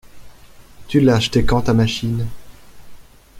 Tu l'as acheté quand ta machine?